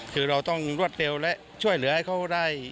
คือเราต้องรวดเร็วและช่วยเหลือให้เขาได้